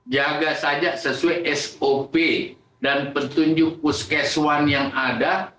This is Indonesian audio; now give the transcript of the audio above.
jaga saja sesuai sop dan petunjuk puskeswan yang ada